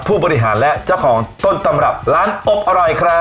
ผู้บริหารและเจ้าของต้นตำรับร้านอบอร่อยครับ